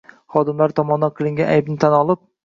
xodimlari tomonidan qilingan aybni tan olib